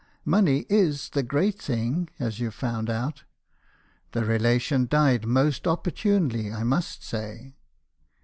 Money is the great thing, as you've found out. The relation died most opportunely, I must say.'